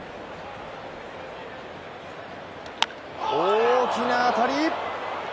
大きな当たり。